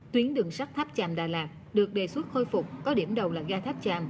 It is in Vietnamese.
tuyến đường sắt tháp chàm đà lạt được đề xuất khôi phục có điểm đầu là gai tháp chàm